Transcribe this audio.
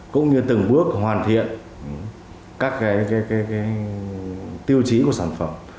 cũng như từng bước hoàn thiện các tiêu chí của sản phẩm